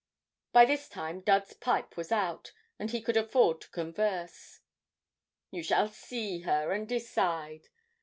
By this time Dud's pipe was out, and he could afford to converse. 'You shall see her and decide.